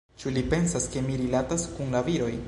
Ĉu li pensas ke mi rilatas kun la viroj?